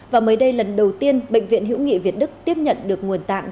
và mới đây lần đầu tiên bệnh viện hữu nghị việt đức tiếp nhận được nguồn tạng